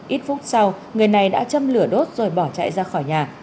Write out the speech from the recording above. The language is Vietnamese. ít phút sau người này đã châm lửa đốt rồi bỏ chạy ra khỏi nhà